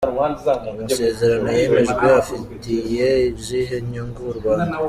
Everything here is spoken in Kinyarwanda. Amasezerano yemejwe afitiye izihe nyungu u Rwanda.